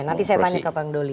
nanti saya tanya ke bang doli